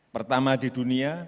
pertama di dunia